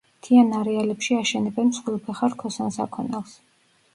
მთიან არეალებში აშენებენ მსხვილფეხა რქოსან საქონელს.